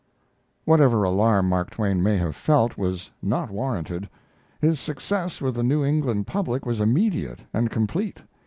Whatever alarm Mark Twain may have felt was not warranted. His success with the New England public was immediate and complete.